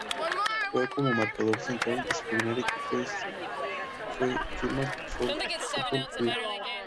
Juega como marcador central y su primer equipo fue Firmat Football Club.